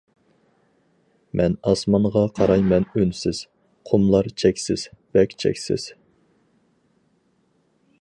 مەن ئاسمانغا قارايمەن ئۈنسىز، قۇملار چەكسىز، بەك چەكسىز.